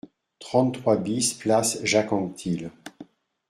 trente-trois BIS place Jacques Anquetil